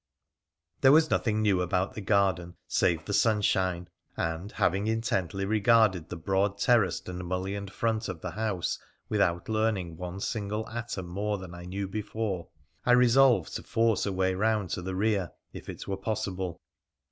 There was nothing new about the garden save the sun shine, and, having intently regarded the broad terraced and mullioned front of the house without learning one single atom more than I knew before, I resolved to force a way round to the rear if it were possible.